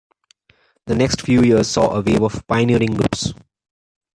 The next few years saw a wave of pioneering groups.